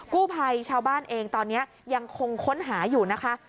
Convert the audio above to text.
กู้ภัยชาวบ้านเองตอนนี้ยังคงค้นหาอยู่นะคะ